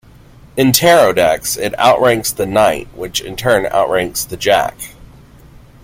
In tarot decks, it outranks the Knight which in turn outranks the Jack.